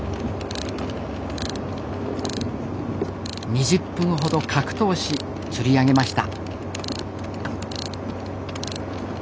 ２０分ほど格闘し釣り上げました。